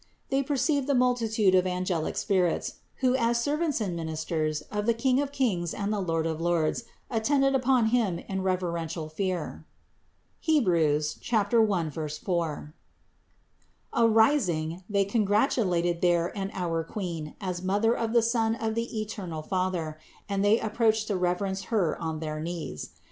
They perceived the multitude of angelic spirits, who as servants and ministers of the King of kings and Lord of lords attended upon Him in reverential fear (Heb. 1, 4). Arising, they congratulated their and our Queen as Mother of the Son of the eternal Father; and they approached to reverence Her on their knees.